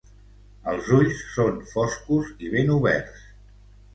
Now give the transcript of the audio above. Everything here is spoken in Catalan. Els ulls són foscos i ben oberts.